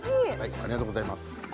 ありがとうございます。